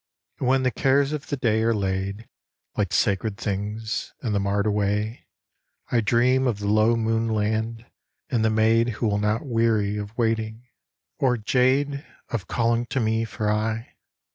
And when the cares of the day are laid. Like sacred things, in the mart away, I dream of the low moon land and the maid Who will not weary of waiting, or jade "3 114 LOW MOON LAND Of calling to me for aye.